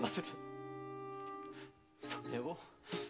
それを。